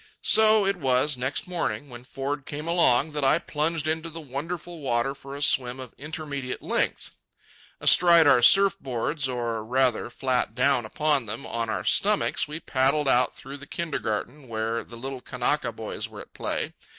So it was, next morning, when Ford came along, that I plunged into the wonderful water for a swim of indeterminate length. Astride of our surf boards, or, rather, flat down upon them on our stomachs, we paddled out through the kindergarten where the little Kanaka boys were at play.